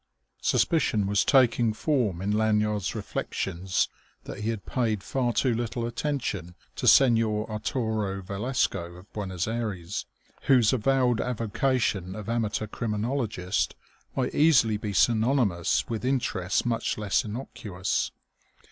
Suspicion was taking form in Lanyard's reflections that he had paid far too little attention to Señor Arturo Velasco of Buenos Aires, whose avowed avocation of amateur criminologist might easily be synonymous with interests much less innocuous.